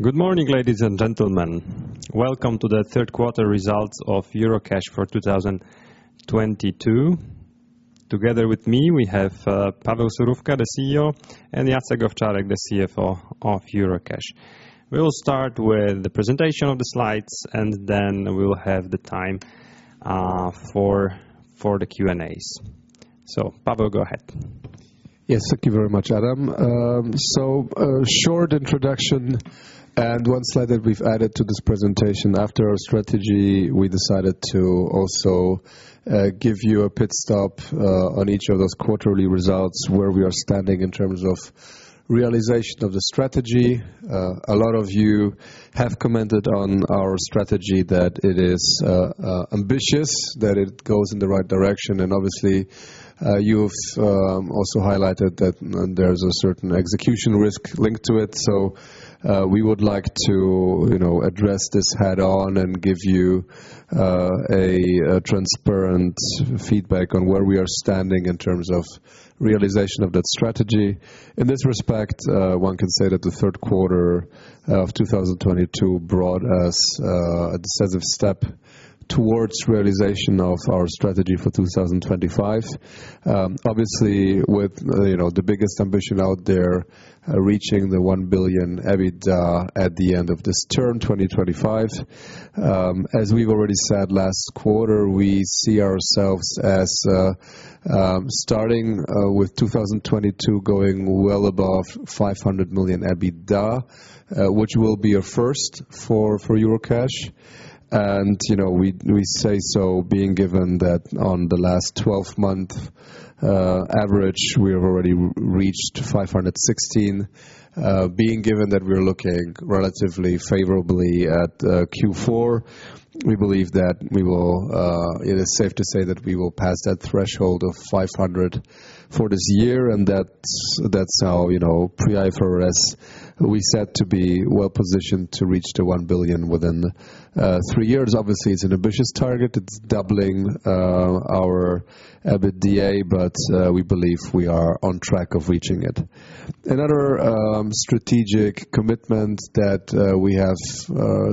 Good morning, ladies and gentlemen. Welcome to the third quarter results of Eurocash for 2022. Together with me, we have Paweł Surówka, the CEO, and Jacek Owczarek, the CFO of Eurocash. We will start with the presentation of the slides, and then we will have the time for the Q&As. Paweł, go ahead. Yes. Thank you very much, Adam. A short introduction and one slide that we've added to this presentation. After our strategy, we decided to also give you a pit stop on each of those quarterly results where we are standing in terms of realization of the strategy. A lot of you have commented on our strategy that it is ambitious, that it goes in the right direction. Obviously, you've also highlighted that there's a certain execution risk linked to it. We would like to, you know, address this head on and give you a transparent feedback on where we are standing in terms of realization of that strategy. In this respect, one can say that the third quarter of 2022 brought us a decisive step towards realization of our strategy for 2025. Obviously with, you know, the biggest ambition out there, reaching the 1 billion EBITDA at the end of this term, 2025. As we've already said last quarter, we see ourselves as starting with 2022 going well above 500 million EBITDA, which will be a first for Eurocash. You know, we say so being given that on the last 12-month average, we have already reached 516 million. Being given that we're looking relatively favorably at Q4, we believe that it is safe to say that we will pass that threshold of 500 for this year, and that's how, you know, pre-IFRS we set to be well-positioned to reach the 1 billion within three years. Obviously, it's an ambitious target. It's doubling our EBITDA, but we believe we are on track of reaching it. Another strategic commitment that we have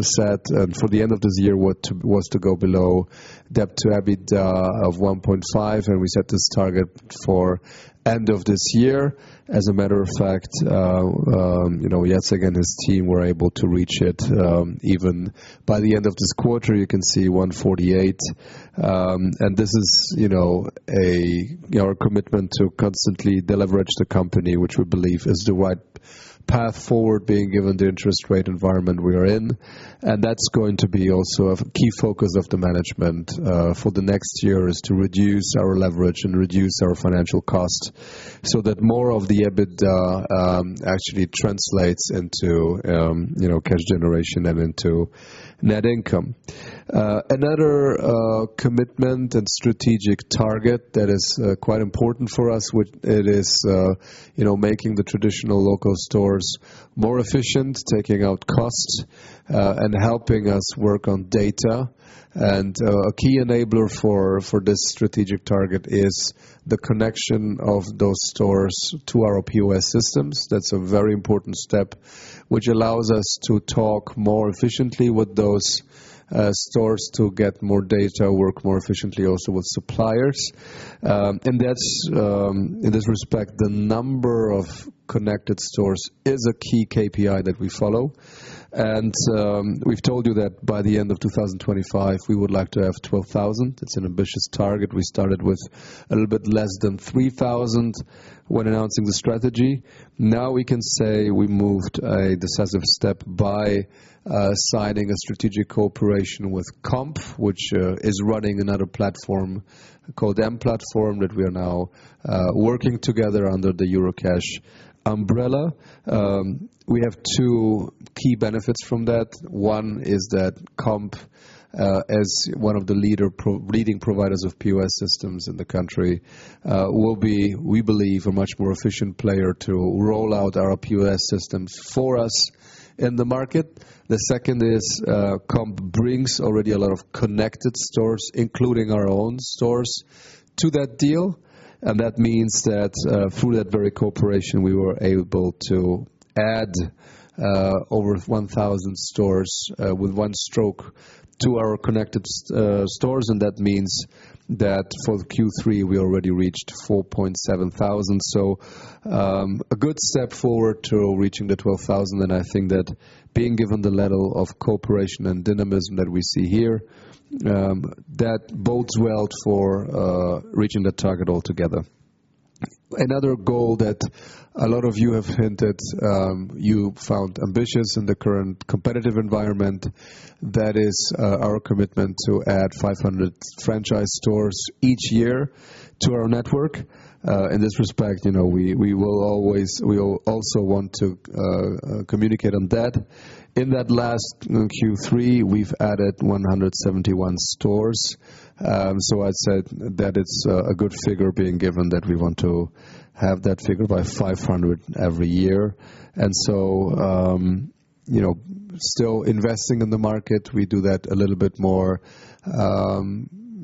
set for the end of this year was to go below debt to EBITDA of 1.5, and we set this target for end of this year. As a matter of fact, you know, Jacek and his team were able to reach it even by the end of this quarter. You can see 1.48. This is our commitment to constantly deleverage the company, which we believe is the right path forward given the interest rate environment we are in. That's going to be also a key focus of the management for the next year is to reduce our leverage and reduce our financial costs so that more of the EBITDA actually translates into cash generation and into net income. Another commitment and strategic target that is quite important for us, it is making the traditional local stores more efficient, taking out costs and helping us work on data. A key enabler for this strategic target is the connection of those stores to our POS systems. That's a very important step, which allows us to talk more efficiently with those stores to get more data, work more efficiently also with suppliers. That's in this respect, the number of connected stores is a key KPI that we follow. We've told you that by the end of 2025, we would like to have 12,000. It's an ambitious target. We started with a little bit less than 3,000 when announcing the strategy. Now we can say we moved a decisive step by signing a strategic cooperation with Comp, which is running another platform called mPlatform that we are now working together under the Eurocash umbrella. We have two key benefits from that. One is that Comp, as one of the leading providers of POS systems in the country, will be, we believe, a much more efficient player to roll out our POS systems for us in the market. The second is, Comp brings already a lot of connected stores, including our own stores, to that deal. That means that, through that very cooperation, we were able to add over 1,000 stores with one stroke to our connected stores. That means that for the Q3 we already reached 4.7 thousand. A good step forward to reaching the 12,000. I think that being given the level of cooperation and dynamism that we see here, that bodes well for reaching that target altogether. Another goal that a lot of you have hinted, you found ambitious in the current competitive environment, that is, our commitment to add 500 franchise stores each year to our network. In this respect, you know, we'll also want to communicate on that. In that last Q3, we've added 171 stores. I said that it's a good figure being given that we want to have that figure by 500 every year. You know, still investing in the market. We do that a little bit more,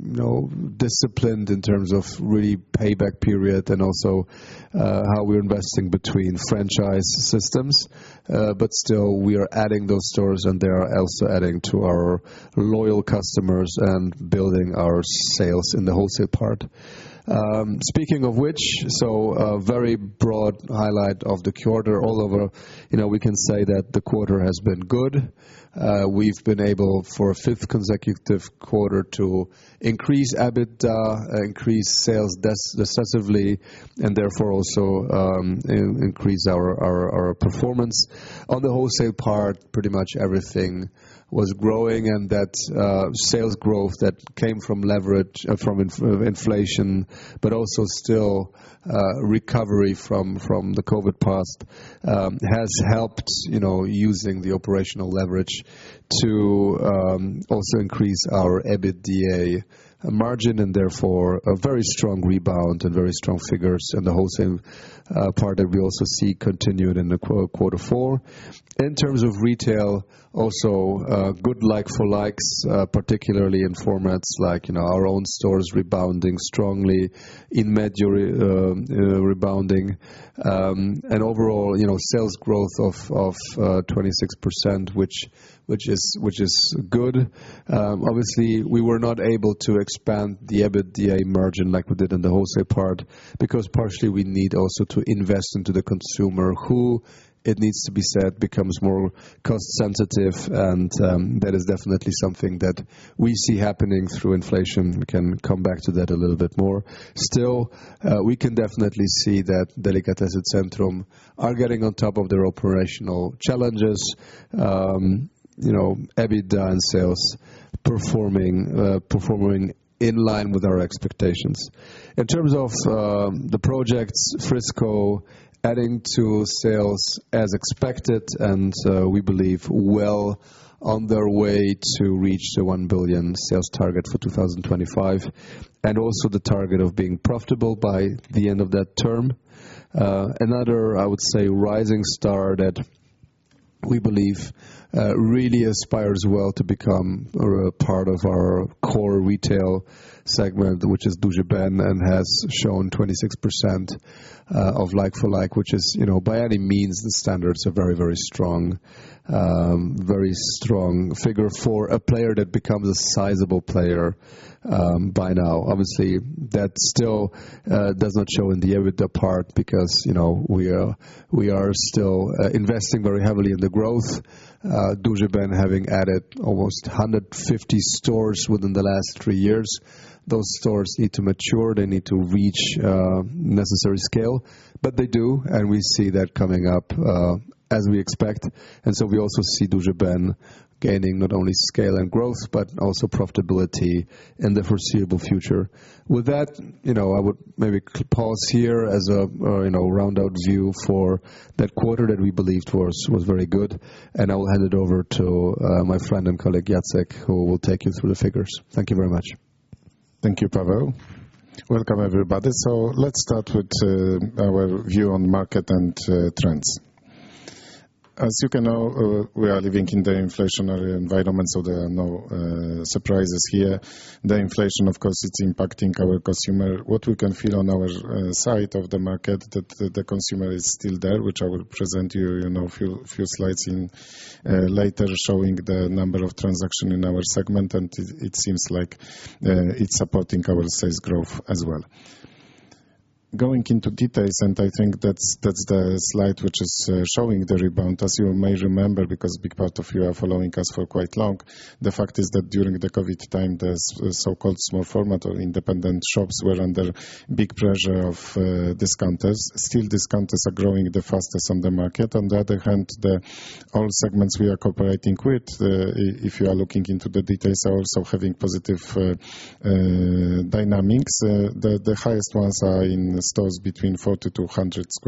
you know, disciplined in terms of really payback period and also, how we're investing between franchise systems. But still, we are adding those stores and they are also adding to our loyal customers and building our sales in the wholesale part. Speaking of which, a very broad highlight of the quarter. Overall, you know, we can say that the quarter has been good. We've been able, for a fifth consecutive quarter to increase EBITDA, increase sales successively, and therefore also increase our performance. On the wholesale part, pretty much everything was growing and that sales growth that came from leverage from inflation, but also still recovery from the post-COVID, has helped, you know, using the operational leverage to also increase our EBITDA margin, and therefore a very strong rebound and very strong figures in the wholesale part that we also see continued into quarter four. In terms of retail, also good like-for-likes, particularly in formats like, you know, our own stores rebounding strongly. Inmedio rebounding. Overall, you know, sales growth of 26% which is good. Obviously we were not able to expand the EBITDA margin like we did in the wholesale part because partially we need also to invest into the consumer who, it needs to be said, becomes more cost sensitive and that is definitely something that we see happening through inflation. We can come back to that a little bit more. Still, we can definitely see that Delikatesy Centrum are getting on top of their operational challenges. You know, EBITDA and sales performing in line with our expectations. In terms of the projects, Frisco adding to sales as expected, and we believe well on their way to reach the 1 billion sales target for 2025, and also the target of being profitable by the end of that term. Another, I would say, rising star that we believe really aspires well to become a part of our core retail segment, which is Duży Ben and has shown 26% of like for like, which is, you know, by any means and standards a very, very strong, very strong figure for a player that becomes a sizable player by now. Obviously that still does not show in the EBITDA part because, you know, we are still investing very heavily in the growth. Duży Ben having added almost 150 stores within the last three years. Those stores need to mature. They need to reach necessary scale. But they do, and we see that coming up as we expect. We also see Duży Ben gaining not only scale and growth, but also profitability in the foreseeable future. With that, you know, I would maybe pause here as a you know round out view for that quarter that we believed was very good. I will hand it over to my friend and colleague, Jacek, who will take you through the figures. Thank you very much. Thank you, Paweł. Welcome, everybody. Let's start with our view on market and trends. As you can know, we are living in the inflationary environment, so there are no surprises here. The inflation, of course, it's impacting our consumer. What we can feel on our side of the market, that the consumer is still there, which I will present you know, few slides in later, showing the number of transaction in our segment, and it seems like it's supporting our sales growth as well. Going into details, I think that's the slide which is showing the rebound. As you may remember, because a big part of you are following us for quite long, the fact is that during the COVID time, the so-called small format or independent shops were under big pressure of discounters. Still discounters are growing the fastest on the market. On the other hand, all segments we are cooperating with, if you are looking into the details, are also having positive dynamics. The highest ones are in stores between 40 sq m-100 sq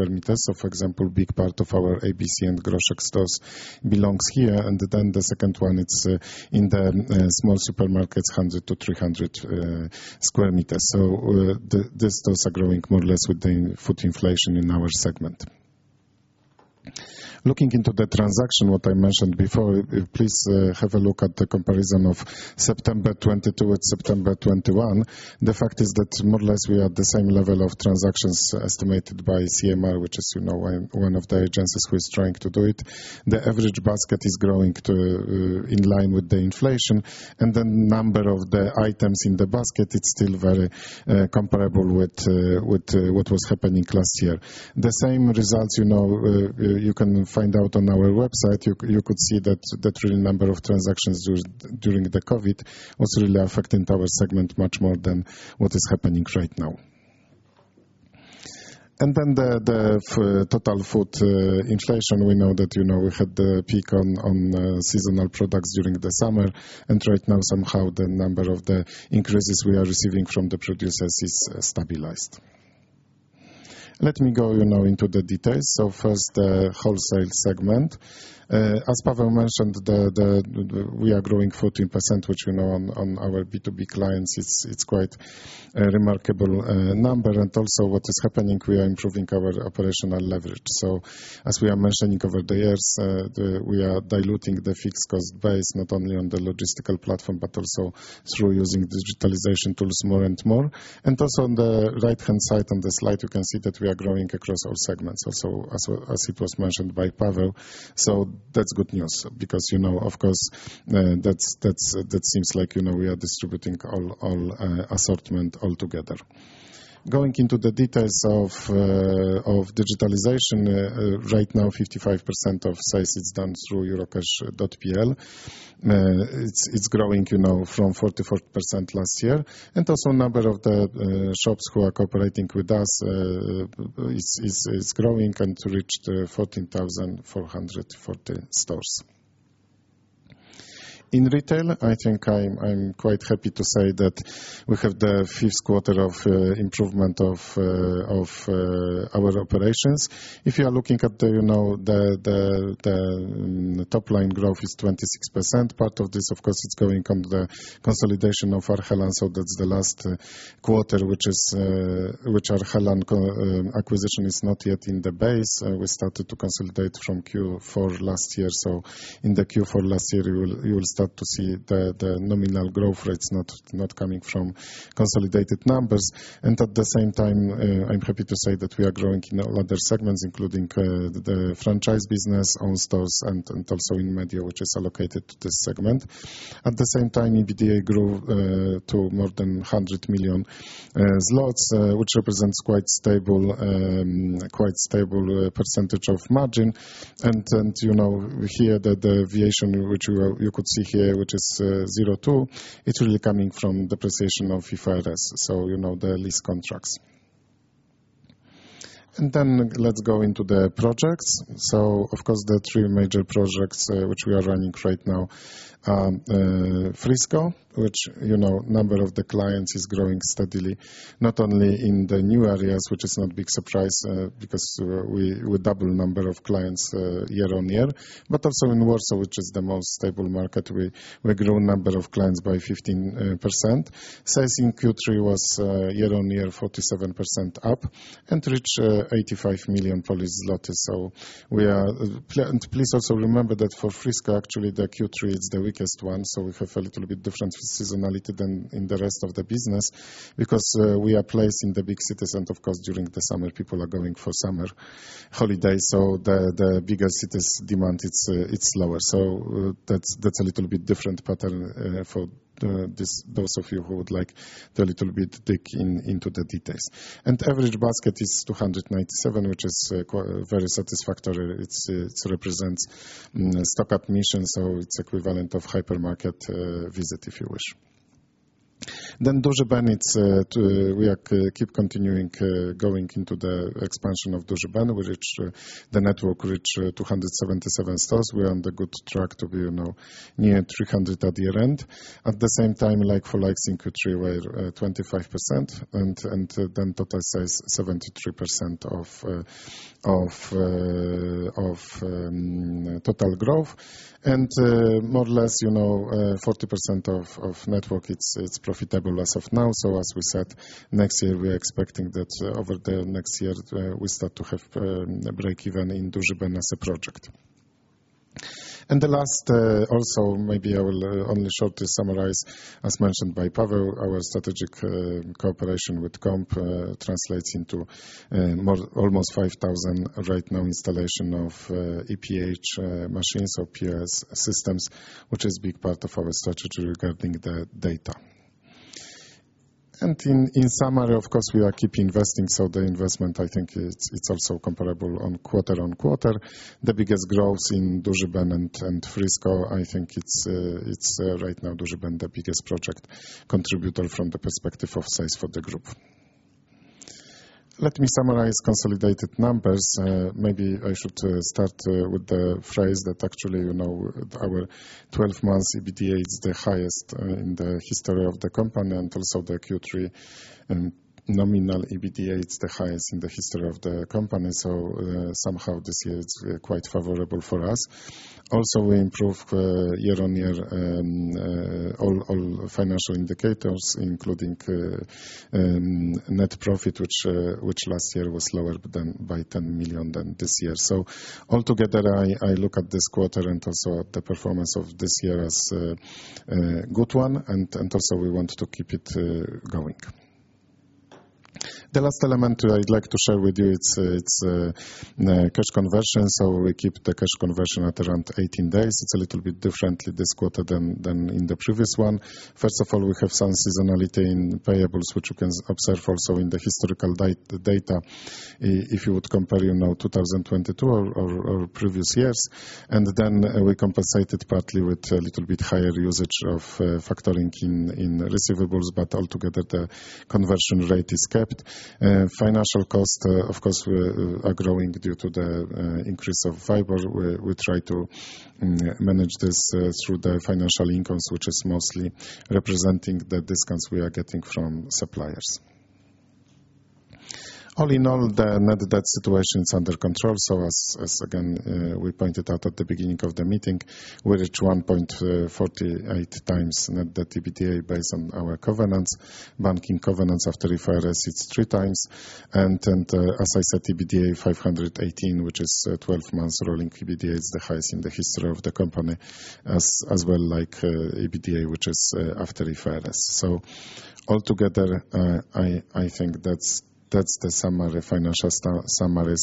m. For example, big part of our ABC and Groszek stores belongs here. Then the second one, it's in the small supermarkets, 100 sq m-300 sq m. The stores are growing more or less with the food inflation in our segment. Looking into the transactions, what I mentioned before, please have a look at the comparison of September 2022 with September 2021. The fact is that more or less, we are at the same level of transactions estimated by CMR, which is one of the agencies who is trying to do it. The average basket is growing too in line with the inflation. The number of the items in the basket, it's still very comparable with what was happening last year. The same results you can find out on our website. You could see that the number of transactions during the COVID was really affecting our segment much more than what is happening right now. The total food inflation. We know that we had the peak on seasonal products during the summer. Right now somehow the number of the increases we are receiving from the producers is stabilized. Let me go, you know, into the details. First, the wholesale segment. As Paweł mentioned, we are growing 14%, which, you know, on our B2B clients, it's quite a remarkable number. Also what is happening, we are improving our operational leverage. As we are mentioning over the years, we are diluting the fixed cost base not only on the logistical platform, but also through using digitalization tools more and more. Also on the right-hand side on the slide, you can see that we are growing across all segments also, as it was mentioned by Paweł. That's good news because, you know, of course, that seems like, you know, we are distributing all assortment altogether. Going into the details of digitalization, right now, 55% of sales is done through eurocash.pl. It's growing, you know, from 44% last year. Also number of the shops who are cooperating with us is growing and reached 14,440 stores. In retail, I think I'm quite happy to say that we have the fifth quarter of improvement of our operations. If you are looking at the top line growth is 26%. Part of this, of course, is going from the consolidation of Arhelan. That's the last quarter, which Arhelan acquisition is not yet in the base. We started to consolidate from Q4 last year. In Q4 last year, you will start to see the nominal growth rates not coming from consolidated numbers. At the same time, I'm happy to say that we are growing in all other segments, including the franchise business, own stores, and also in media, which is allocated to this segment. At the same time, EBITDA grew to more than 100 million zlotys, which represents quite stable percentage of margin. You know, here the variation which you could see here, which is 0.2%, it's really coming from the precision of IFRS, you know, the lease contracts. Let's go into the projects. Of course, the three major projects which we are running right now, Frisco.pl, which, you know, the number of clients is growing steadily, not only in the new areas, which is not a big surprise, because we double the number of clients year-on-year, but also in Warsaw, which is the most stable market we grow the number of clients by 15%. Sales in Q3 was year-on-year 47% up and reach 85 million zloty. Please also remember that for Frisco.pl, actually, the Q3 is the weakest one, so we have a little bit different seasonality than in the rest of the business because we are placed in the big cities and of course, during the summer, people are going for summer holiday. The bigger cities demand, it's lower. That's a little bit different pattern for those of you who would like to dig a little bit into the details. Average basket is 297, which is very satisfactory. It represents stock admissions, so it's equivalent of hypermarket visit, if you wish. Duży Ben. We keep continuing going into the expansion of Duży Ben. The network reached 277 stores. We're on the good track to be near 300 at the end. At the same time, like-for-like same-store 25% and then total sales 73% of total growth. More or less, you know, 40% of network it's profitable as of now. As we said, next year, we're expecting that over the next year we start to have breakeven in Duży Ben as a project. The last also, maybe I will only shortly summarize, as mentioned by Paweł, our strategic cooperation with Comp translates into more almost 5,000 right now installation of EPH machines or POS systems, which is big part of our strategy regarding the data. In summary, of course, we are keep investing. The investment, I think it's also comparable on quarter-over-quarter. The biggest growth in Duży Ben and Frisco.pl. I think it's right now Duży Ben, the biggest project contributor from the perspective of sales for the group. Let me summarize consolidated numbers. Maybe I should start with the phrase that actually, you know, our 12 months EBITDA is the highest in the history of the company. Also the Q3 nominal EBITDA, it's the highest in the history of the company. Somehow this year it's quite favorable for us. Also, we improve year-on-year all financial indicators, including net profit, which last year was lower than by 10 million than this year. All together, I look at this quarter and also the performance of this year as a good one and also we want to keep it going. The last element I'd like to share with you is cash conversion. We keep the cash conversion at around 18 days. It's a little bit differently this quarter than in the previous one. First of all, we have some seasonality in payables, which you can observe also in the historical data, if you would compare, you know, 2022 or previous years. We compensated partly with a little bit higher usage of factoring in receivables, but altogether, the conversion rate is kept. Financial costs, of course, are growing due to the increase of WIBOR. We try to manage this through the financial incomes, which is mostly representing the discounts we are getting from suppliers. All in all, the net debt situation is under control. As again, we pointed out at the beginning of the meeting, we reached 1.48x net debt EBITDA based on our banking covenants after IFRS, it's three times. As I said, EBITDA 518, which is 12 months rolling. EBITDA is the highest in the history of the company as well like EBITDA, which is after IFRS. Altogether, I think that's the summary, financial summary.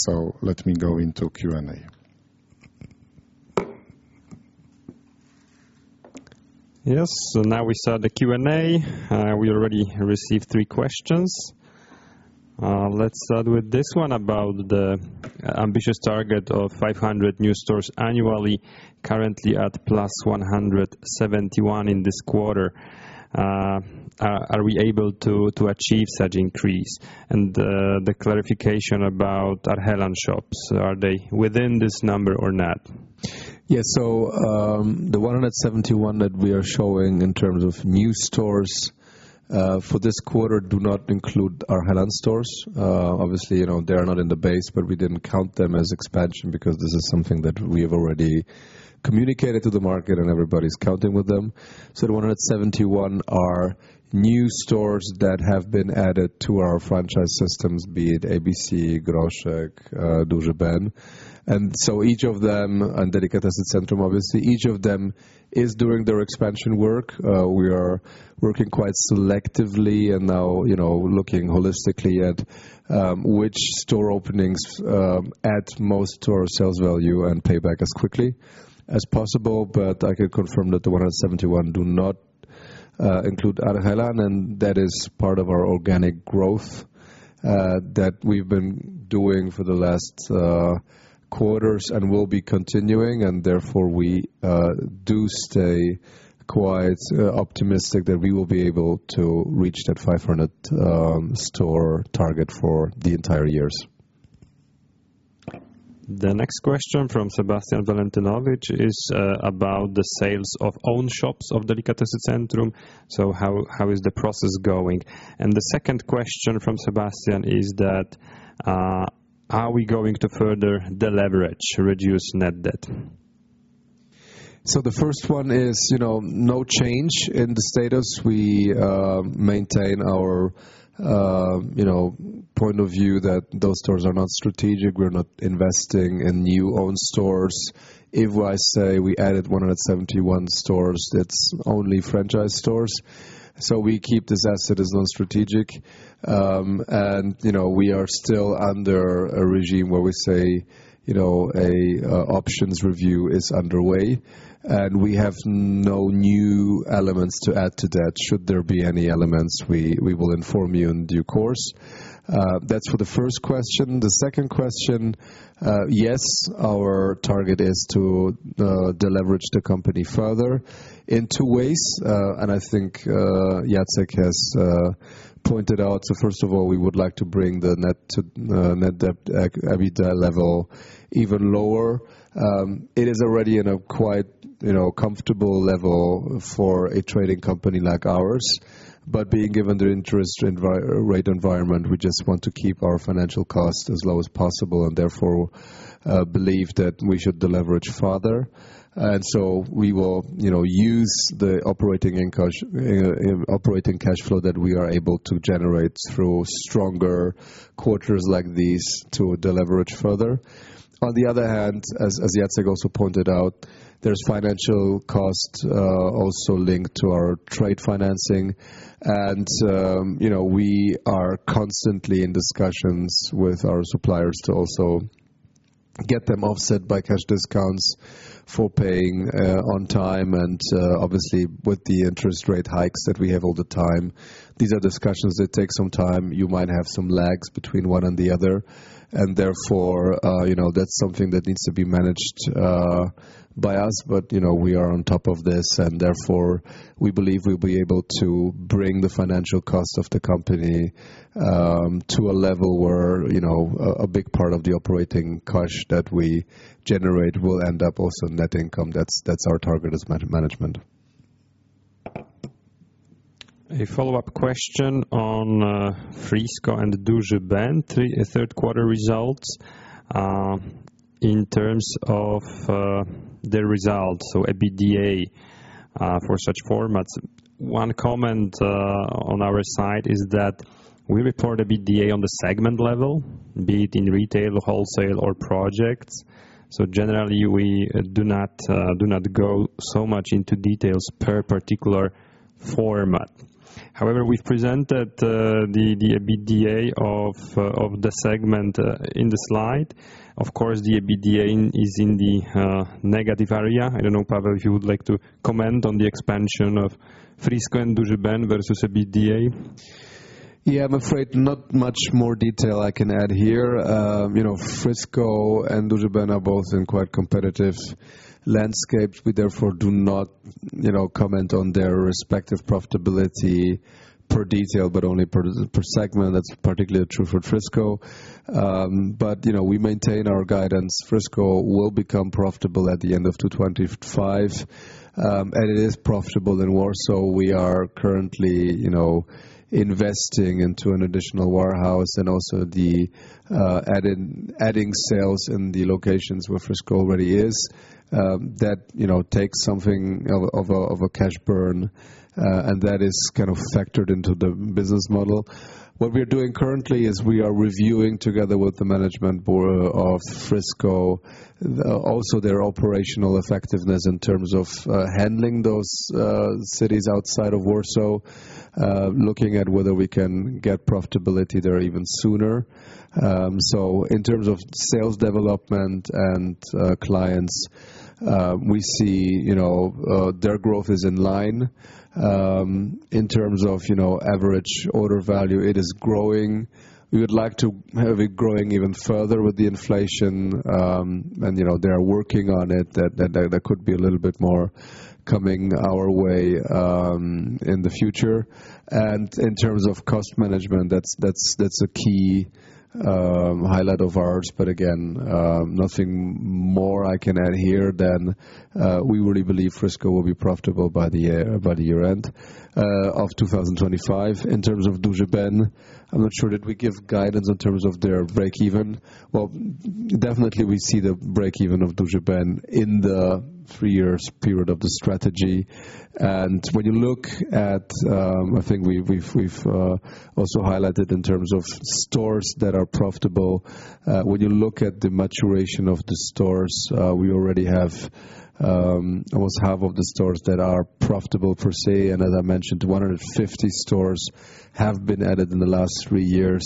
Let me go into Q&A. Yes. Now we start the Q&A. We already received three questions. Let's start with this one about the ambitious target of 500 new stores annually, currently at +171 in this quarter. Are we able to achieve such increase? The clarification about Arhelan shops, are they within this number or not? Yeah. The 171 that we are showing in terms of new stores for this quarter do not include Arhelan stores. Obviously, you know, they are not in the base, but we didn't count them as expansion because this is something that we have already communicated to the market and everybody's counting with them. The 171 are new stores that have been added to our franchise systems, be it ABC, Groszek, Duży Ben. Each of them, and Delikatesy Centrum, obviously, each of them is doing their expansion work. We are working quite selectively and now, you know, looking holistically at which store openings add most to our sales value and pay back as quickly as possible. I can confirm that the 171 do not include Arhelan, and that is part of our organic growth that we've been doing for the last quarters and will be continuing. Therefore, we do stay quite optimistic that we will be able to reach that 500 store target for the entire years. The next question from Sebastian Walentyńczyk is about the sales of own shops of Delikatesy Centrum. How is the process going? The second question from Sebastian is, are we going to further deleverage to reduce net debt? The first one is, you know, no change in the status. We maintain our, you know, point of view that those stores are not strategic. We're not investing in new own stores. If I say we added 171 stores, it's only franchise stores. We keep this asset as non-strategic. We are still under a regime where we say, you know, options review is underway. We have no new elements to add to that. Should there be any elements, we will inform you in due course. That's for the first question. The second question, yes, our target is to deleverage the company further in two ways. I think Jacek has pointed out. First of all, we would like to bring the net debt EBITDA level even lower. It is already in a quite, you know, comfortable level for a trading company like ours. Being given the interest rate environment, we just want to keep our financial costs as low as possible and therefore believe that we should deleverage further. We will, you know, use the operating cash flow that we are able to generate through stronger quarters like these to deleverage further. On the other hand, as Jacek also pointed out, there's financial costs also linked to our trade financing. We are constantly in discussions with our suppliers to also get them offset by cash discounts for paying on time. Obviously, with the interest rate hikes that we have all the time, these are discussions that take some time. You might have some lags between one and the other, and therefore, you know, that's something that needs to be managed by us. You know, we are on top of this, and therefore, we believe we'll be able to bring the financial cost of the company to a level where, you know, a big part of the operating cash that we generate will end up also net income. That's our target as management. A follow-up question on Frisco.pl and Duży Ben, third quarter results. In terms of the results, so EBITDA for such formats. One comment on our side is that we report EBITDA on the segment level, be it in retail, wholesale, or projects. Generally, we do not go so much into details per particular format. However, we've presented the EBITDA of the segment in the slide. Of course, the EBITDA is in the negative area. I don't know, Paweł, if you would like to comment on the expansion of Frisco.pl and Duży Ben versus EBITDA. Yeah. I'm afraid not much more detail I can add here. You know, Frisco.pl and Duży Ben are both in quite competitive landscapes. We therefore do not, you know, comment on their respective profitability per detail, but only per segment. That's particularly true for Frisco.pl. You know, we maintain our guidance. Frisco.pl will become profitable at the end of 2025, and it is profitable in Warsaw. We are currently, you know, investing into an additional warehouse and also adding sales in the locations where Frisco.pl already is. That, you know, takes something of a cash burn, and that is kind of factored into the business model. What we are doing currently is we are reviewing together with the management board of Frisco.pl also their operational effectiveness in terms of handling those cities outside of Warsaw, looking at whether we can get profitability there even sooner. In terms of sales development and clients, we see, you know, their growth is in line. In terms of average order value, it is growing. We would like to have it growing even further with the inflation, and, you know, they are working on it. That there could be a little bit more coming our way, in the future. In terms of cost management, that's a key highlight of ours. Again, nothing more I can add here than we really believe Frisco.pl will be profitable by the year-end of 2025. In terms of Duży Ben, I'm not sure that we give guidance in terms of their break-even. Well, definitely we see the break-even of Duży Ben in the three years period of the strategy. When you look at, I think we've also highlighted in terms of stores that are profitable. When you look at the maturation of the stores, we already have almost half of the stores that are profitable per se. As I mentioned, 150 stores have been added in the last three years.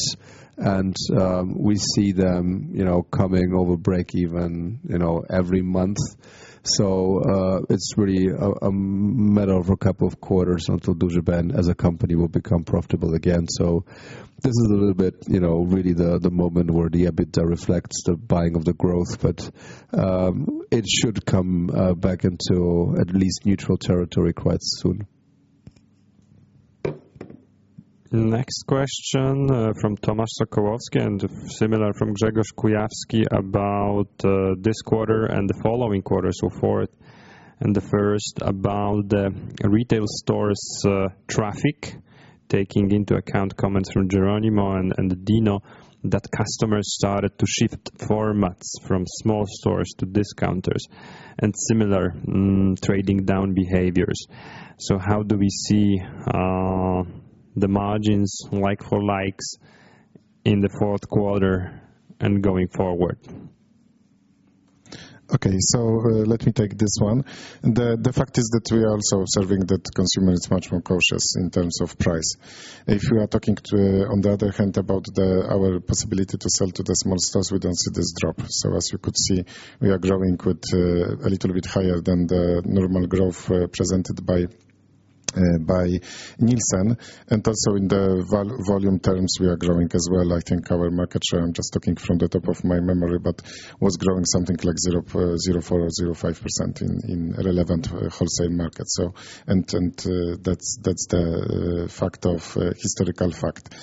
We see them, you know, coming over break even, you know, every month. It's really a matter of a couple of quarters until Duży Ben as a company will become profitable again. This is a little bit, you know, really the moment where the EBITDA reflects the buying of the growth, but it should come back into at least neutral territory quite soon. Next question from Tomasz Sokołowski and similar from Grzegorz Kujawski about this quarter and the following quarter, so forth. The first about the retail stores traffic, taking into account comments from Jeronimo Martins and Dino that customers started to shift formats from small stores to discounters and similar trading down behaviors. How do we see the margins like-for-likes in the fourth quarter and going forward? Okay. Let me take this one. The fact is that we are also observing that consumer is much more cautious in terms of price. If you are talking to, on the other hand, about the our possibility to sell to the small stores, we don't see this drop. As you could see, we are growing with a little bit higher than the normal growth presented by by Nielsen. Also in the volume terms, we are growing as well. I think our market share, I'm just talking from the top of my memory, but was growing something like 0.04% or 0.05% in relevant wholesale market. That's the fact of historical fact.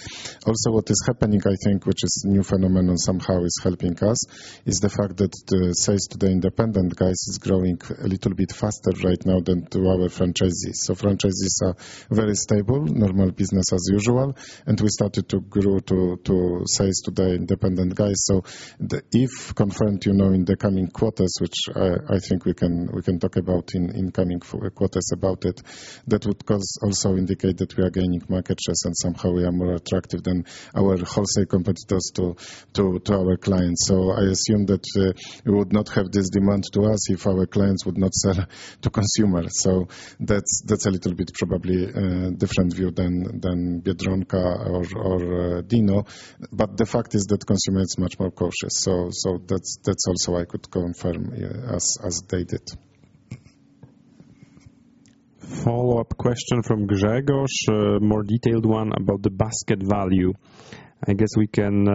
Also, what is happening, I think, which is new phenomenon somehow is helping us, is the fact that the sales to the independent guys is growing a little bit faster right now than to our franchisees. Franchisees are very stable, normal business as usual, and we started to grow to sales to the independent guys. If confirmed, you know, in the coming quarters, which I think we can talk about in coming quarters about it, that would also indicate that we are gaining market shares and somehow we are more attractive than our wholesale competitors to our clients. I assume that we would not have this demand to us if our clients would not sell to consumers. That's a little bit probably different view than Biedronka or Dino. The fact is that consumer is much more cautious. That's also I could confirm, yeah, as stated. Follow-up question from Grzegorz, a more detailed one about the basket value. I guess we can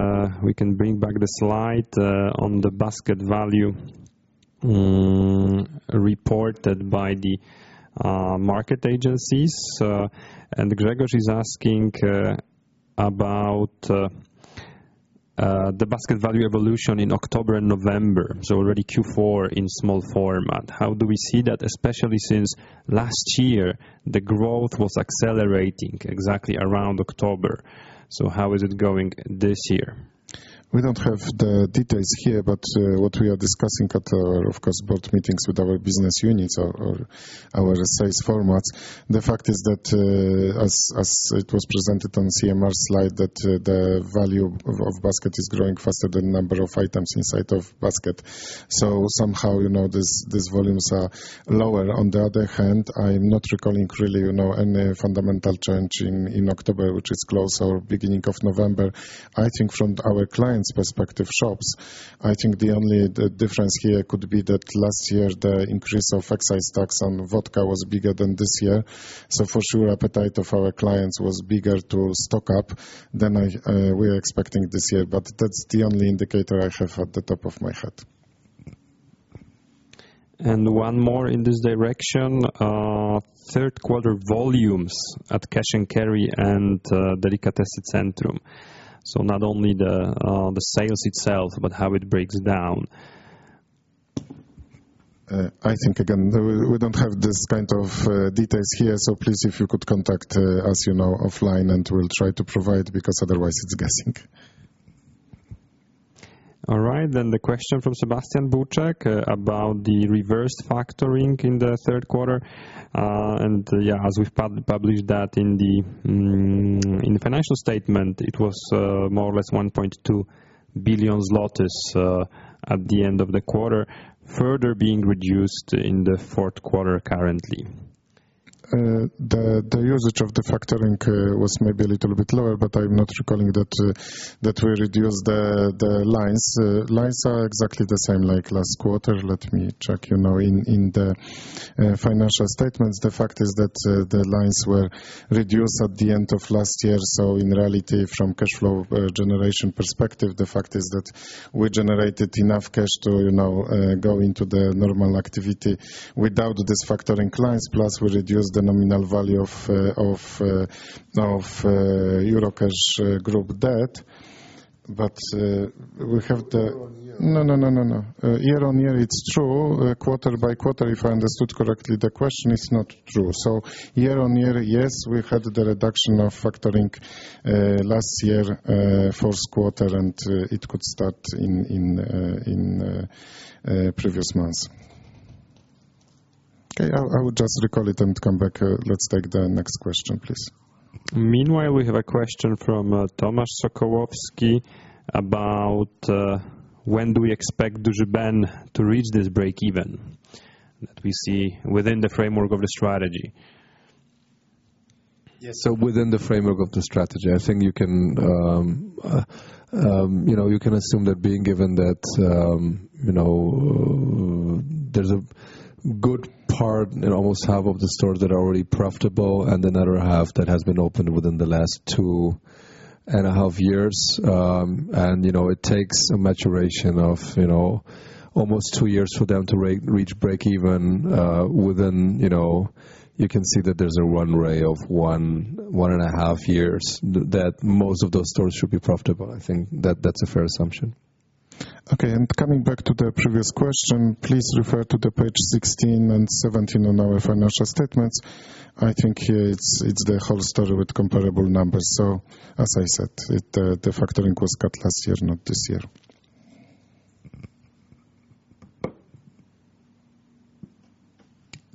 bring back the slide on the basket value reported by the market agencies. Grzegorz is asking about the basket value evolution in October and November. Already Q4 in small format. How do we see that, especially since last year, the growth was accelerating exactly around October. How is it going this year? We don't have the details here, but what we are discussing at our, of course, board meetings with our business units or our sales formats, the fact is that, as it was presented on CMR slide, that the value of basket is growing faster than number of items inside of basket. Somehow, you know, these volumes are lower. On the other hand, I'm not recalling really, you know, any fundamental change in October, which is close or beginning of November. I think from our clients' perspective shops, I think the only difference here could be that last year, the increase of excise tax on vodka was bigger than this year. For sure, appetite of our clients was bigger to stock up than I, we're expecting this year. That's the only indicator I have off the top of my head. One more in this direction. Third quarter volumes at cash and carry and Delikatesy Centrum. Not only the sales itself, but how it breaks down. I think again, we don't have this kind of details here, so please if you could contact, as you know, offline, and we'll try to provide because otherwise it's guessing. The question from Sebastian Burczyk about the reverse factoring in the third quarter. As we've published that in the financial statement, it was more or less 1.2 billion zlotys at the end of the quarter, further being reduced in the fourth quarter currently. The usage of the factoring was maybe a little bit lower, but I'm not recalling that we reduced the lines. Lines are exactly the same like last quarter. Let me check, you know, in the financial statements. The fact is that the lines were reduced at the end of last year. In reality, from cash flow generation perspective, the fact is that we generated enough cash to, you know, go into the normal activity without this factoring clients. Plus, we reduced the nominal value of Eurocash Group debt. We have the- Year-over-year. No. Year-on-year, it's true. Quarter-over-quarter, if I understood correctly, the question is not true. Year-on-year, yes, we had the reduction of factoring, last year, fourth quarter, and it could start in previous months. Okay, I would just recall it and come back. Let's take the next question, please. Meanwhile, we have a question from Tomasz Sokołowski about when do we expect Duży Ben to reach this breakeven that we see within the framework of the strategy? Yes. Within the framework of the strategy, I think you can, you know, you can assume that being given that, you know, there's a good part and almost half of the stores that are already profitable and another half that has been opened within the last two and a half years. You know, it takes a maturation of, you know, almost two years for them to reach breakeven. You can see that there's a runway of one and a half years that most of those stores should be profitable. I think that's a fair assumption. Coming back to the previous question, please refer to pages 16 and 17 on our financial statements. I think it's the whole story with comparable numbers. As I said, the factoring was cut last year, not this year.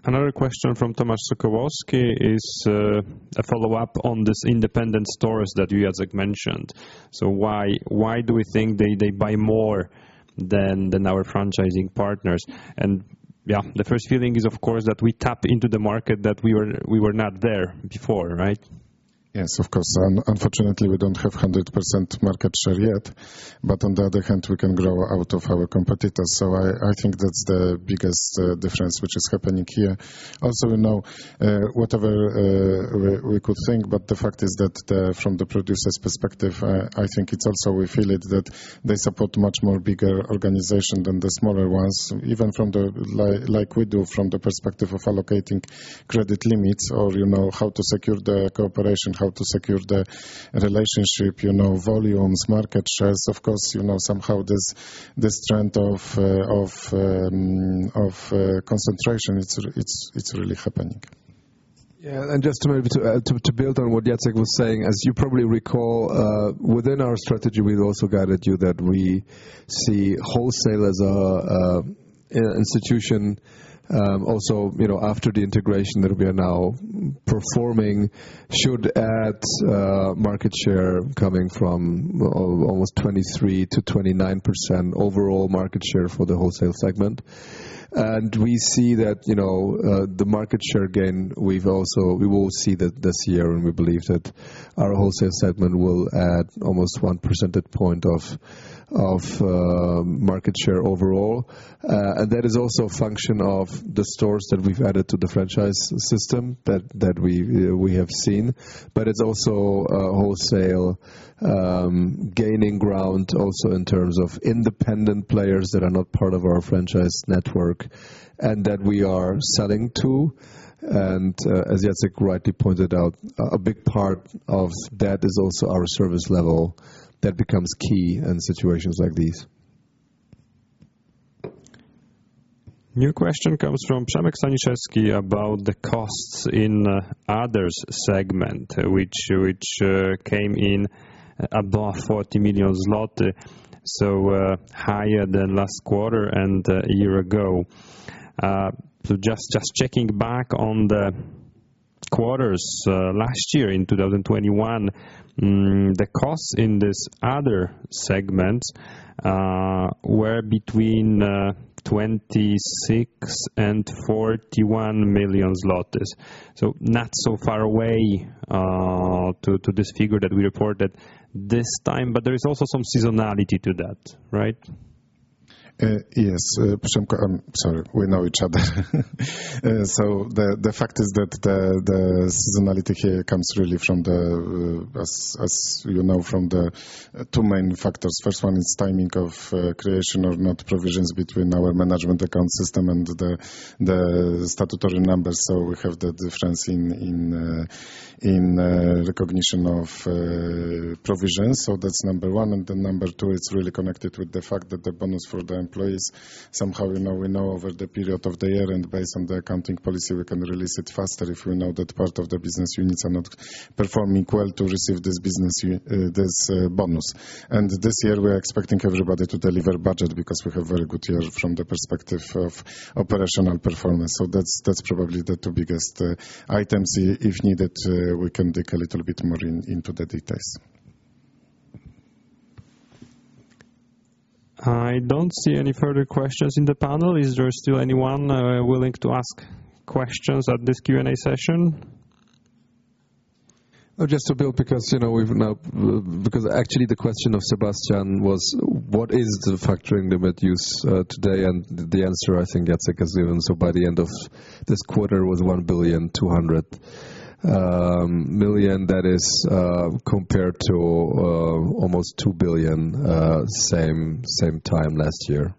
Another question from Tomasz Sokołowski is a follow-up on this independent stores that Jacek mentioned. Why do we think they buy more than our franchising partners? The first feeling is, of course, that we tap into the market that we were not there before, right? Yes, of course. Unfortunately, we don't have 100% market share yet, but on the other hand, we can grow out of our competitors. I think that's the biggest difference which is happening here. Also, we know, whatever, we could think, but the fact is that from the producer's perspective, I think it's also we feel it, that they support much more bigger organization than the smaller ones, even from the like we do from the perspective of allocating credit limits or, you know, how to secure the cooperation, how to secure the relationship, you know, volumes, market shares. Of course, you know, somehow this trend of concentration, it's really happening. Yeah. Just to maybe to build on what Jacek was saying, as you probably recall, within our strategy, we also guided you that we see wholesale as an institution, also, you know, after the integration that we are now performing should add market share coming from almost 23%-29% overall market share for the wholesale segment. We see that, you know, the market share gain. We will see that this year, and we believe that our wholesale segment will add almost one percentage point of market share overall. That is also a function of the stores that we've added to the franchise system that we have seen. It's also a wholesale, gaining ground also in terms of independent players that are not part of our franchise network and that we are selling to. As Jacek rightly pointed out, a big part of that is also our service level that becomes key in situations like these. New question comes from Przemysław Staniszewski about the costs in other segment, which came in above 40 million zlotys, so higher than last quarter and a year ago. Just checking back on the quarters last year in 2021, the costs in this other segment were between 26 million and 41 million zlotys. Not so far away to this figure that we reported this time, but there is also some seasonality to that, right? Yes. Przemko, I'm sorry, we know each other. The fact is that the seasonality here comes really from, as you know, from the two main factors. First one is timing of creation or not provisions between our management account system and the statutory numbers. We have the difference in recognition of provisions. That's number one. Number two, it's really connected with the fact that the bonus for the employees, somehow, you know, we accrue over the period of the year and based on the accounting policy, we can release it faster if we know that part of the business units are not performing well to receive this bonus. This year we're expecting everybody to deliver budget because we have very good year from the perspective of operational performance. That's probably the two biggest items. If needed, we can dig a little bit more into the details. I don't see any further questions in the panel. Is there still anyone willing to ask questions at this Q&A session? Just to build because, you know, because actually the question of Sebastian was what is the factoring limit use today? The answer I think Jacek has given. By the end of this quarter was 1.2 billion, that is, compared to almost 2 billion same time last year.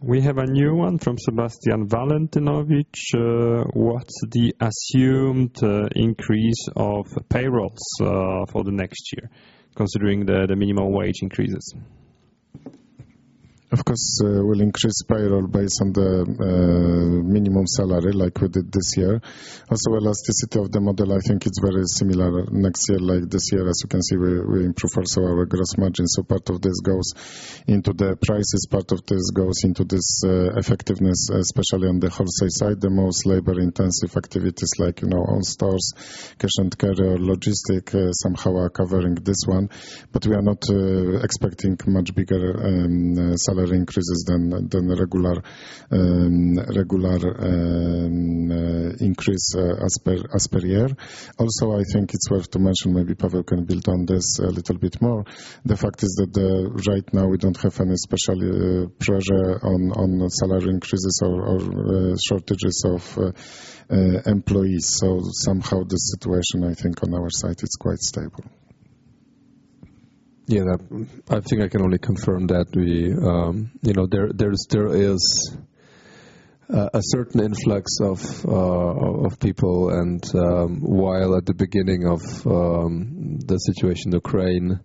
We have a new one from Sebastian Walentyńczyk. What's the assumed increase of payrolls for the next year considering the minimum wage increases? Of course, we'll increase payroll based on the minimum salary like we did this year. Elasticity of the model, I think it's very similar next year like this year. As you can see, we improve also our gross margins. Part of this goes into the prices, part of this goes into this effectiveness, especially on the wholesale side. The most labor-intensive activities like, you know, own stores, cash-and-carry or logistics somehow are covering this one. We are not expecting much bigger salary increases than the regular increase as per year. I think it's worth to mention, maybe Paweł can build on this a little bit more. The fact is that right now we don't have any special pressure on salary increases or shortages of employees. Somehow the situation I think on our side is quite stable. Yeah. I think I can only confirm that we, you know, there is a certain influx of people and, while at the beginning of the situation in Ukraine,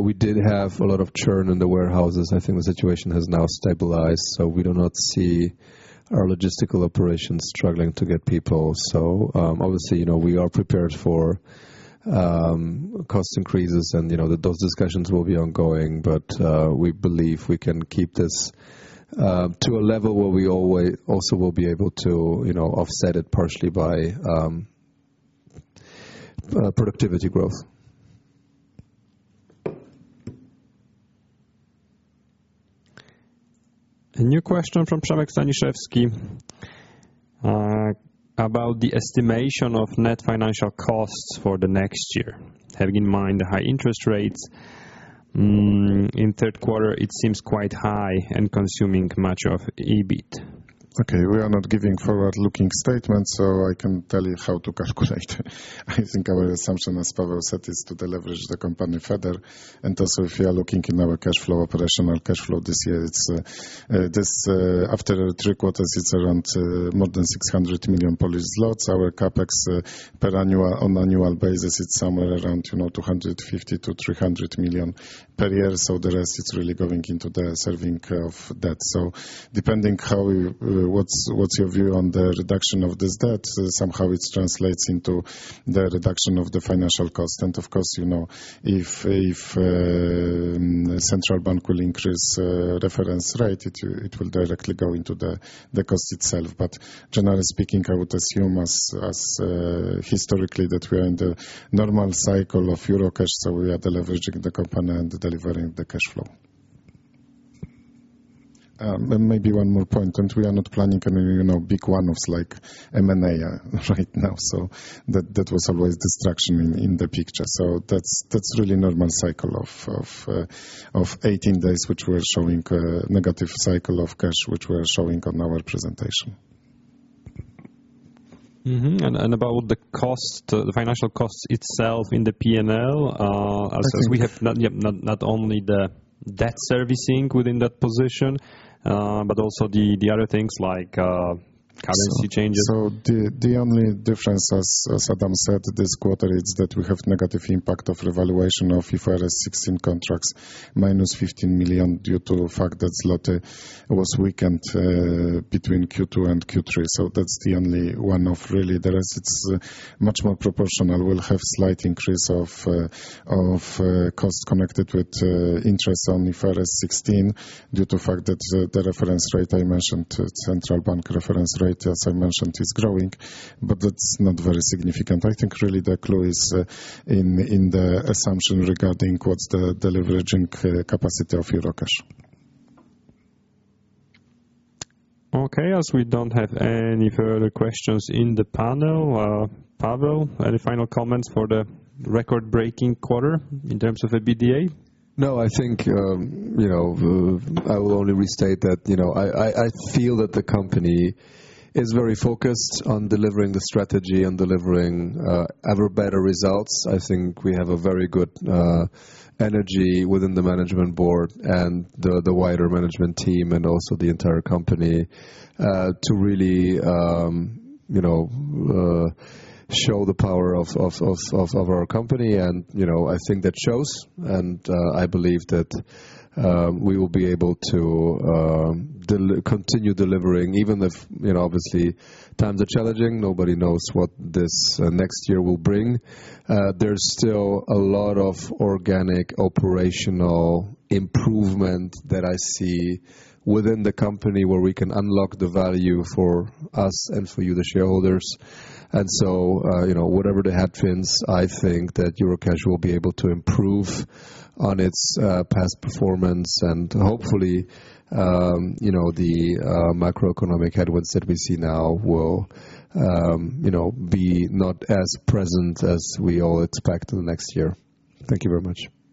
we did have a lot of churn in the warehouses. I think the situation has now stabilized, so we do not see our logistical operations struggling to get people. Obviously, you know, we are prepared for cost increases and, you know, those discussions will be ongoing. We believe we can keep this to a level where we also will be able to, you know, offset it partially by productivity growth. A new question from Przemysław Staniszewski about the estimation of net financial costs for the next year. Having in mind the high interest rates in third quarter, it seems quite high and consuming much of EBIT. Okay, we are not giving forward-looking statements, so I can tell you how to calculate. I think our assumption, as Paweł said, is to deleverage the company further. Also if you are looking in our cash flow, operational cash flow this year, it's after three quarters around more than 600 million Polish zlotys. Our CapEx on annual basis, it's somewhere around, you know, 250 million-300 million per year. The rest is really going into the serving of debt. Depending how you, what's your view on the reduction of this debt, somehow it translates into the reduction of the financial cost. Of course, you know, if central bank will increase reference rate, it will directly go into the cost itself. Generally speaking, I would assume historically that we are in the normal cycle of Eurocash, so we are deleveraging the company and delivering the cash flow. Maybe one more point, we are not planning any, you know, big one-offs like M&A right now. That was always a distraction in the picture. That's really normal cycle of 18 days, which we're showing negative cycle of cash, which we're showing on our presentation. Mm-hmm. About the cost, the financial cost itself in the P&L, as we have not yet not only the debt servicing within that position, but also the other things like currency changes. The only difference as Adam said this quarter is that we have negative impact of revaluation of IFRS 16 contracts -15 million due to the fact that zloty was weakened between Q2 and Q3. That's the only one-off really. The rest it's much more proportional. We'll have slight increase of costs connected with interest on IFRS 16 due to the fact that the reference rate I mentioned, central bank reference rate, as I mentioned, is growing, but that's not very significant. I think really the clue is in the assumption regarding what's the deleveraging capacity of Eurocash. Okay. As we don't have any further questions in the panel, Paweł, any final comments for the record-breaking quarter in terms of the EBITDA? No, I think, you know, I will only restate that, you know, I feel that the company is very focused on delivering the strategy and delivering ever better results. I think we have a very good energy within the management board and the wider management team and also the entire company to really, you know, show the power of our company. You know, I think that shows and I believe that we will be able to continue delivering even if, you know, obviously times are challenging. Nobody knows what this next year will bring. There's still a lot of organic operational improvement that I see within the company where we can unlock the value for us and for you, the shareholders. You know, whatever the headwinds, I think that Eurocash will be able to improve on its past performance and hopefully, you know, the macroeconomic headwinds that we see now will you know be not as present as we all expect in the next year. Thank you very much. Thank you.